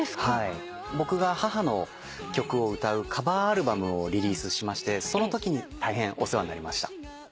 僕が母の曲を歌うカバーアルバムをリリースしましてそのときに大変お世話になりました。